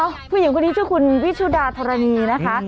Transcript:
ผู้หญิงคนนี้ชื่อคุณวิชุดาธรณีนะคะ